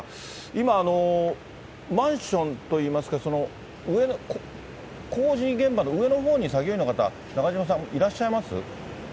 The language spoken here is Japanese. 今、マンションといいますか、工事現場の上のほうに、作業員の方、中島さん、いらっしゃいます？